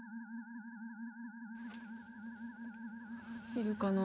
いるかな？